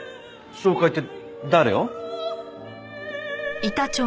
紹介って誰を？